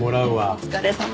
お疲れさま。